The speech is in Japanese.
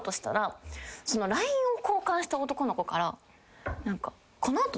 ＬＩＮＥを交換した男の子から。